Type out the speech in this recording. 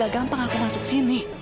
gak gampang aku masuk sini